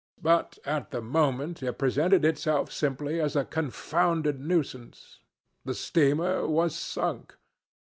... But at the moment it presented itself simply as a confounded nuisance. The steamer was sunk.